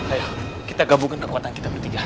ayo kita gabungkan kekuatan kita bertiga